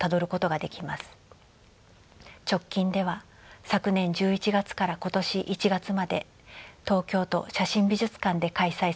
直近では昨年１１月から今年１月まで東京都写真美術館で開催されました。